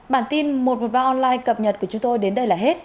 bản tin một trăm một mươi ba online cập nhật của chúng tôi đến đây là hết